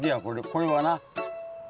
これはな。